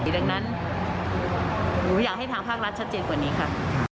ดังนั้นหนูอยากให้ทางภาครัฐชัดเจนกว่านี้ค่ะ